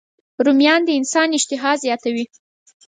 رومیان د انسان اشتها زیاتوي